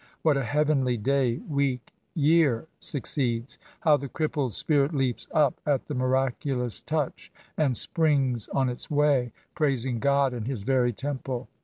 What a heavenly day, week, year, succeeds ! How the crippled spirit leaps up at the miraculous touch, and springs on its way, praising God in his very temple